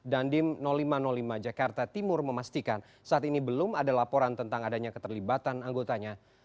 dan di lima ratus lima jakarta timur memastikan saat ini belum ada laporan tentang adanya keterlibatan anggotanya